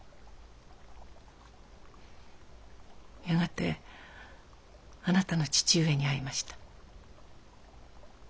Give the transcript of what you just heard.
やがてあなたの父上に会いました。